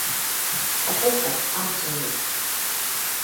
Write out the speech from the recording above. ọkụkọ atụghị'.